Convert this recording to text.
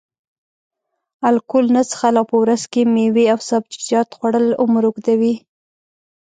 الکول نه څښل او په ورځ کې میوې او سبزیجات خوړل عمر اوږدوي.